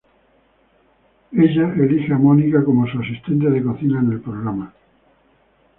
Ella elige a Mónica como su asistente de cocina en el programa.